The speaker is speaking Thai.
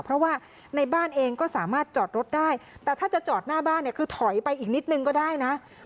เพราะว่าในบ้านเองก็สามารถจอดรถได้แต่ถ้าจะจอดหน้าบ้านเนี่ยคือถอยไปอีกนิดนึงก็ได้นะ